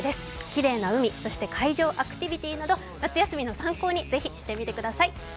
きれいな海、そして海上アクティビティーなど夏休みの参考にぜひしてみてください。